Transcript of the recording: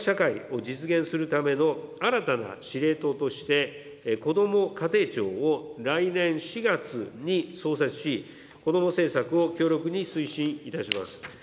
こどもまんなか社会を実現するための新たな指令等として、こども家庭庁を来年４月に創設し、子ども政策を強力に推進いたします。